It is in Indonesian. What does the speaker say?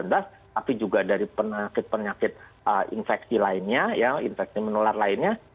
tapi juga dari penyakit penyakit infeksi lainnya ya infeksi menular lainnya